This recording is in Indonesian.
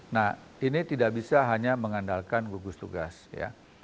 nah ini tidak bisa hanya mengandalkan gugus tugas ya